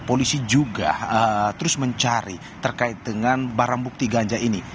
polisi juga terus mencari terkait dengan barang bukti ganja ini